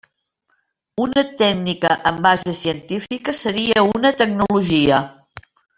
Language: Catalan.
Una tècnica amb base científica seria una tecnologia.